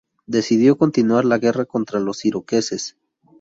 Decidió continuar la guerra contra los iroqueses.